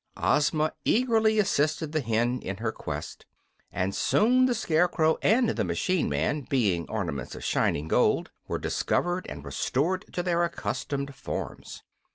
Ozma eagerly assisted the hen in her quest, and soon the Scarecrow and the machine man, being ornaments of shining gold, were discovered and restored to their accustomed forms.